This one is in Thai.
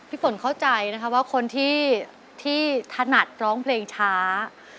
พี่ฝนเข้าใจบ้างที่คนที่ทนัดร้องเพลงช้า